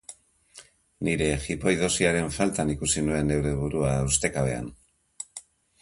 Nire jipoi dosiaren faltan ikusi nuen neure burua, ustekabean.